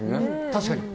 確かに。